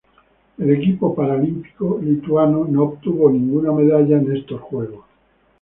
El equipo paralímpico lituano no obtuvo ninguna medalla en estos Juegos.